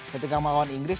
ketika melawan inggris